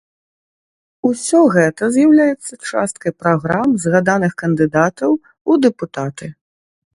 Усё гэта з'яўляецца часткай праграм згаданых кандыдатаў у дэпутаты.